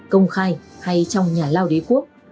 công khai hay trong nhà lao đế quốc